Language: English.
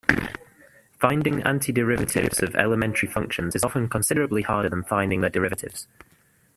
Finding antiderivatives of elementary functions is often considerably harder than finding their derivatives.